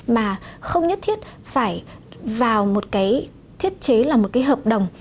mà không nhất thiết phải vào một cái thiết chế là một cái hợp đồng